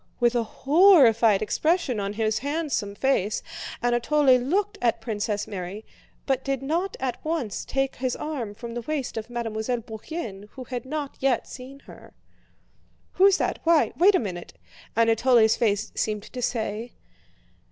With a horrified expression on his handsome face, Anatole looked at Princess Mary, but did not at once take his arm from the waist of Mademoiselle Bourienne who had not yet seen her. "Who's that? Why? Wait a moment!" Anatole's face seemed to say.